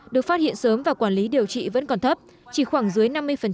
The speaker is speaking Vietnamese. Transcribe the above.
được phát hiện sớm và quản lý điều trị vẫn còn thấp chỉ khoảng dưới năm mươi